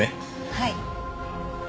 はい。